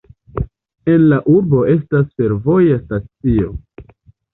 En la urbo estas fervoja stacio.